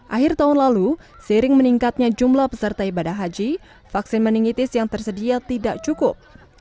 akhir tahun lalu sering meningkatnya jumlah peserta ibadah haji vaksin meningitis yang tersedia tidak cukup